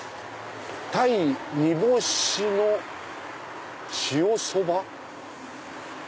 「鯛煮干しの塩そば」。